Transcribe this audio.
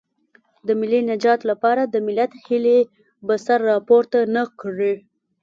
د ملي نجات لپاره د ملت هیلې به سر راپورته نه کړي.